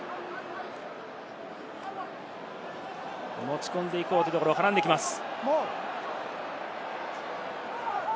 持ち込んでいこうというところ、絡んでいきます。